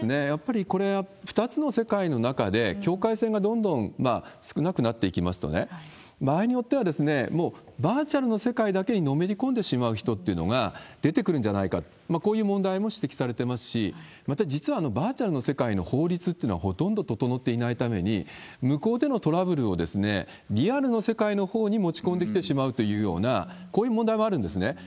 やっぱりこれ、２つの世界の中で境界線がどんどん少なくなっていきますとね、場合によっては、もうバーチャルの世界だけにのめり込んでしまう人っていうのが出てくるんじゃないかと、こういう問題も指摘されていますし、また、実はバーチャルの世界の法律っていうのはほとんど整っていないために、向こうでのトラブルをリアルの世界のほうに持ち込んできてしまうというようなこういう問題もあるんですね。